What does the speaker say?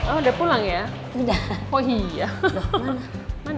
oh udah pulang ya